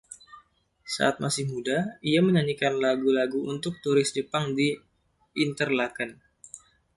Saat masih muda, ia menyanyikan lagu-lagu untuk turis Jepang di Interlaken.